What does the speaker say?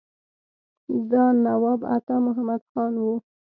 دا نواب عطا محمد خان وو.